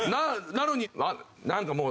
なのになんかもう。